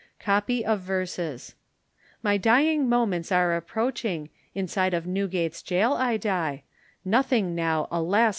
COPY OF VERSES. My dying moments are approaching, Inside of Newgate's gaol I die, Nothing now, alas!